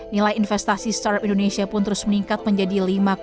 nilai investasi startup indonesia pun terus meningkat menjadi